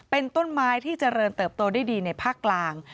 เป็นต้นไม้ที่เจริญเติบโตได้ดีในภาคกลาง